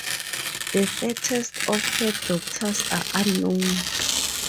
The fates of her daughters are unknown.